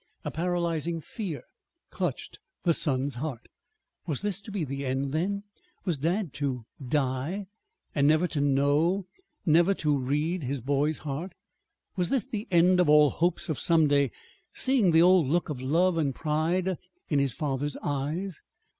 A paralyzing fear clutched the son's heart. Was this to be the end, then? Was dad to die, and never to know, never to read his boy's heart? Was this the end of all hopes of some day seeing the old look of love and pride in his father's eyes?